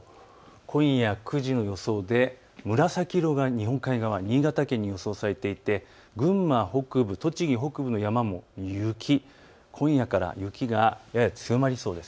今夜９時の予想で紫色が日本海側、新潟県に予想されていて群馬北部、栃木北部の山も雪、今夜から雪がやや強まりそうです。